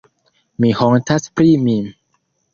Mi hontas pri mi.